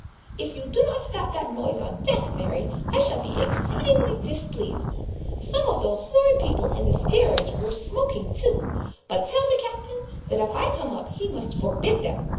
If you do not stop that noise on deck, Mary, I shall be exceedingly displeased! Some of those horrid people in the steerage were smoking too, but tell the Captain that if I come up he must forbid them.